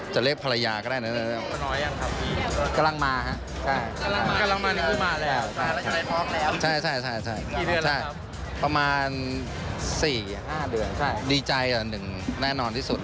จะเรียกฝรายาค่ะก็ได้ดีใจอันนึงแน่นนอนที่สุด